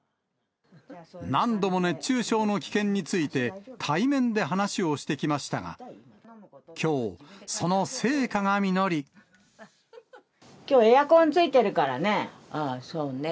何度も熱中症の危険について対面で話をしてきましたが、きょう、きょう、エアコンついてるかああ、そうね。